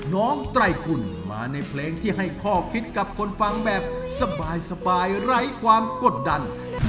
ไตรคุณมาในเพลงที่ให้ข้อคิดกับคนฟังแบบสบายไร้ความกดดัน